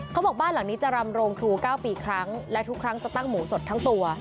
เขาบอกบ้านหลังนี้จะรำโรงครู๙ปีครั้งและทุกครั้งจะตั้งหมูสดทั้งตัว